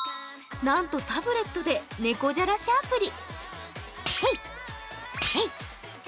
なんとタブレットで猫じゃらしアプリ。